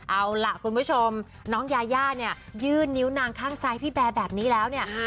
เอาล่ะคุณผู้ชมน้องยาย่าเนี่ยยื่นนิ้วนางข้างซ้ายพี่แบร์แบบนี้แล้วเนี่ย